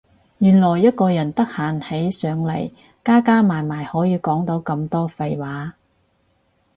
原來一個人得閒起上嚟加加埋埋可以講到咁多廢話